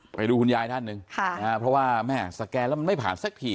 ไปดูคุณยายท่านหนึ่งเพราะว่าแม่สแกนแล้วมันไม่ผ่านสักที